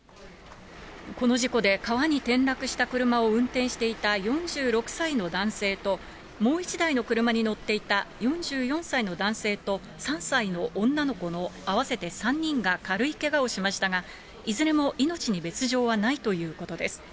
この事故で川に転落した車を運転していた４６歳の男性と、もう１台の車に乗っていた４４歳の男性と３歳の女の子の合わせて３人が軽いけがをしましたが、いずれも命に別状はないということです。